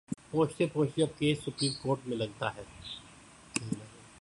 پہنچتے پہنچتے اب کیس سپریم کورٹ میں لگناہے۔